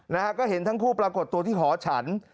นะฮะก็เห็นทั้งคู่ปรากฏตัวที่หอฉัน